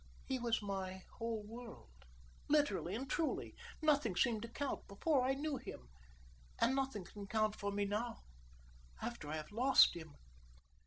He was my whole world, literally and truly. Nothing seemed to count before I knew him, and nothing can count for me now, after I have lost him."